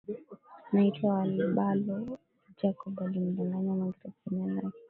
Naitwa Albalo Jacob alimdanganya magreth jina lake